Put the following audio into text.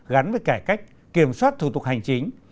gắn với cải cách kiểm soát thủ tục hành chính